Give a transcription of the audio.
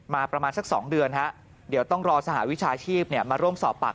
ประมาณสัก๒เดือนเดี๋ยวต้องรอสหวิชาชีพมาร่วมสอบปาก